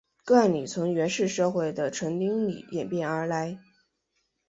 冠礼从原始社会的成丁礼演变而来。